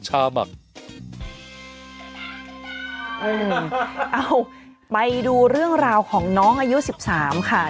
เอาไปดูเรื่องราวของน้องอายุ๑๓ค่ะ